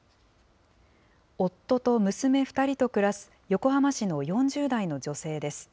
夫と娘２人と暮らす横浜市の４０代の女性です。